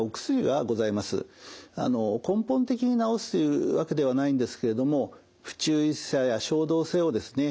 根本的に治すというわけではないんですけれども不注意さや衝動性をですね